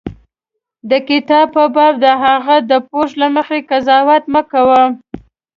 د کتاب په باب د هغه د پوښ له مخې قضاوت مه کوه.